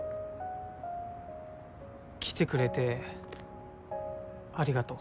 来てくれてありがとう。